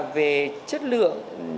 về chất lượng